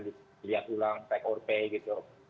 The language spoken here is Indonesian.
di lihat ulang take or pay gitu